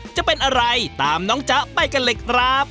จะเป็นอะไรตามน้องจ๊ะไปกันเลยครับ